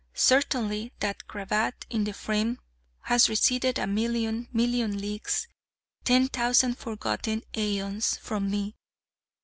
Certainly, that cravat in the frame has receded a million, million leagues, ten thousand forgotten aeons, from me!